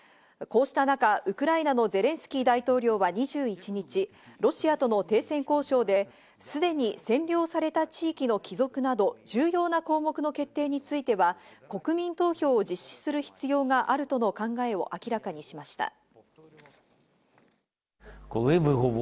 こうした中、ウクライナのゼレンスキー大統領は２１日、ロシアとの停戦交渉ですでに占領された地域の帰属など重要な項目の決定については、国民投票を実施する必要があるとの考えを明らかにしました。